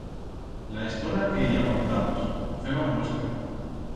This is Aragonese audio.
La estona que i aguantabas, febas muestra.